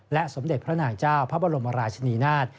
สมเด็จพระนางเจ้าพระบรมราชนีนาฏ